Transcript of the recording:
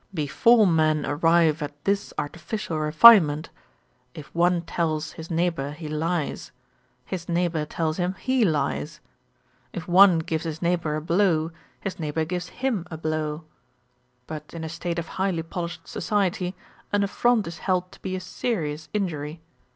Before men arrive at this artificial refinement, if one tells his neighbour he lies, his neighbour tells him he lies; if one gives his neighbour a blow, his neighbour gives him a blow: but in a state of highly polished society, an affront is held to be a serious injury.